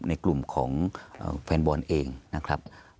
ในกลุ่มของแฟนบอลเองนะครับ